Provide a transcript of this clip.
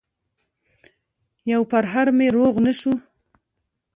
يو پرهر مې روغ نه شو